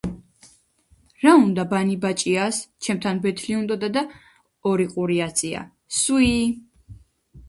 რა უნდა ბანი ბაჭიას? ჩემთან ბეთლი უნდოდდა და ორი ყური აწია სუიიიიი